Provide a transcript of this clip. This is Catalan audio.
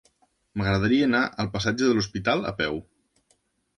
M'agradaria anar al passatge de l'Hospital a peu.